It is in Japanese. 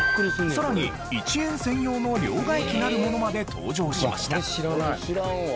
さらに１円専用の両替機なるものまで登場しました。